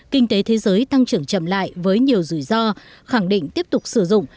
kinh tế thế giới tăng trưởng chậm lại với nhiều rủi ro khẳng định tiếp tục sử dụng